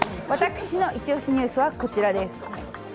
私のイチオシニュースはこちらです。